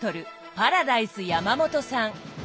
パラダイス山元さん。